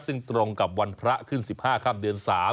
ซึ่งตรงกับวันพระขึ้น๑๕ค่ำเดือน๓